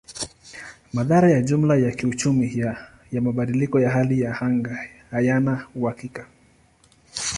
Madhara ya jumla ya kiuchumi ya mabadiliko ya hali ya anga hayana uhakika.